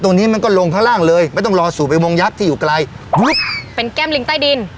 ตรงนี้มันก็ลงข้างล่างเลยไม่ต้องรอสู่ไปวงยักษ์ที่อยู่ไกลเป็นแก้มลิงใต้ดิน